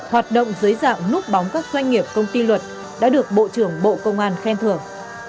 hoạt động dưới dạng núp bóng các doanh nghiệp công ty luật đã được bộ trưởng bộ công an khen thưởng